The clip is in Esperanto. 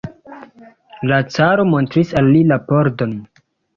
La caro montris al li la pordon.